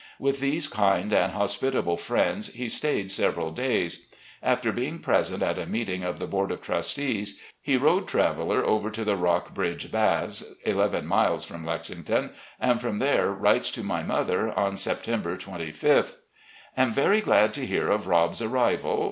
With these kind and hospitable friends he stayed several days. After being present at a meeting of the board of trustees, he rode Traveller over to the Rockbridge Baths — eleven miles from Lexington — and from there writes to my mother, on September 25th: i86 RECOLLECTIONS OP GENERAL LEE "... Am very glad to hear of Rob's arrival.